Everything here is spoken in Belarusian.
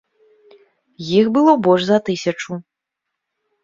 Іх было больш за тысячу.